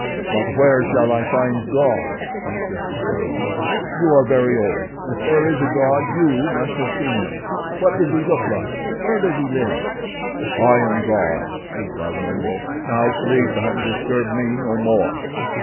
"But where shall I find God?" insisted Tarzan. "You are very old; if there is a God you must have seen Him. What does He look like? Where does He live?" "I am God," replied Numgo. "Now sleep and disturb me no more."